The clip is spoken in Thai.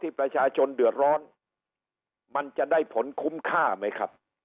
ประชาชนเดือดร้อนมันจะได้ผลคุ้มค่าไหมครับ